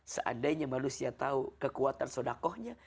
seandainya manusia tahu kekuatan sodakohnya